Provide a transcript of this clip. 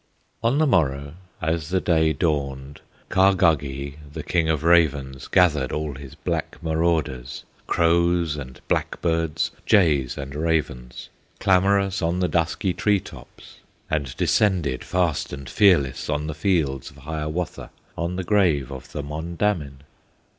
On the morrow, as the day dawned, Kahgahgee, the King of Ravens, Gathered all his black marauders, Crows and blackbirds, jays and ravens, Clamorous on the dusky tree tops, And descended, fast and fearless, On the fields of Hiawatha, On the grave of the Mondamin.